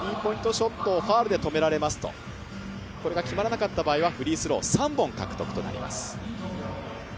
ショットをファウルで止められますと、これで決まらなかった場合はフリースロー３本獲得となります。